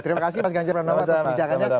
terima kasih mas ganjar pranowo untuk perbincangannya